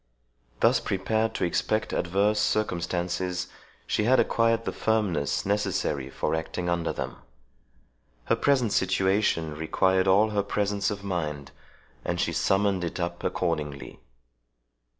Thus prepared to expect adverse circumstances, she had acquired the firmness necessary for acting under them. Her present situation required all her presence of mind, and she summoned it up accordingly.